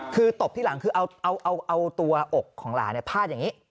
คือตบที่หลังคือเอาตัวอกของหลานพาดอย่างนี้